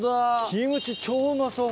キムチ超うまそう。